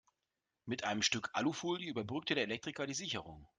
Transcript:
Mit einem Stück Alufolie überbrückte der Elektriker die Sicherung.